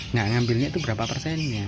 nggak ngambilnya itu berapa persennya